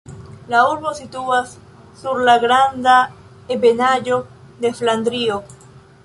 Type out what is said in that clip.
La urbo situas sur la granda ebenaĵo de Flandrio.